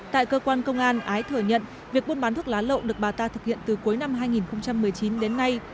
tại cơ quan công an ái thừa nhận việc buôn bán thuốc lá lậu được bà ta thực hiện từ cuối năm hai nghìn một mươi chín đến nay